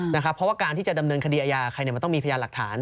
เพราะว่าการที่จะดำเนินคดีอาญาใครมันต้องมีพยานหลักฐาน